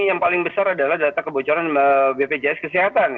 yang paling besar adalah data kebocoran bpjs kesehatan